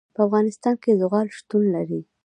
په افغانستان کې زغال شتون لري.